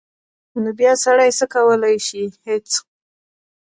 نو بیا سړی څه کولی شي هېڅ.